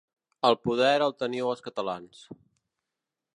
El poder el teniu els catalans.